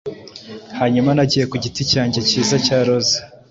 Hanyuma nagiye ku giti cyanjye cyiza cya roza,